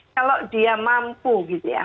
kalau dia mampu gitu ya